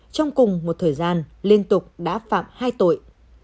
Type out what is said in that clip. trong cùng một thời gian liên tục đã phạm hai tội